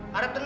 masih gak ada